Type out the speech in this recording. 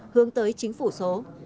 hướng tới chính phủ số